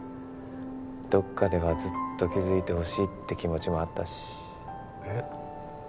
どっかではずっと気づいてほしいって気持ちもあったしえっ？